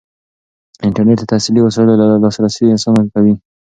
انټرنیټ د تحصیلي وسایلو ته لاسرسی اسانه کوي.